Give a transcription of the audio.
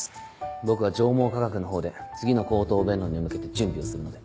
僕は上毛化学の方で次の口頭弁論に向けて準備をするので。